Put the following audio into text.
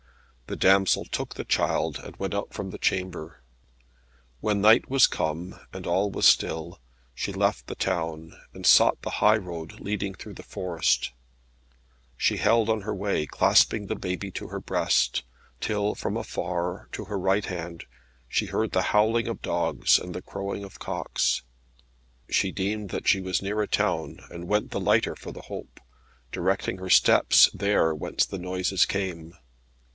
The damsel took the child, and went out from the chamber. When night was come, and all was still, she left the town, and sought the high road leading through the forest. She held on her way, clasping the baby to her breast, till from afar, to her right hand, she heard the howling of dogs and the crowing of cocks. She deemed that she was near a town, and went the lighter for the hope, directing her steps, there, whence the noises came.